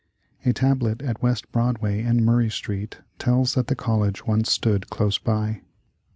A tablet at West Broadway and Murray Street tells that the college once stood close by.